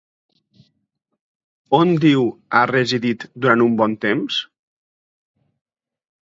On diu ha residit durant un bon temps?